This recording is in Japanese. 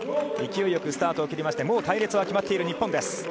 勢いよくスタートを切りましてもう隊列は決まっている日本です。